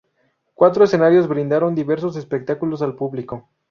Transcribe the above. Cuatro escenarios brindaron diversos espectáculos al público.